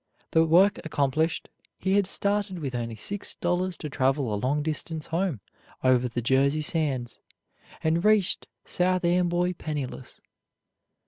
The work accomplished, he had started with only six dollars to travel a long distance home over the Jersey sands, and reached South Amboy penniless.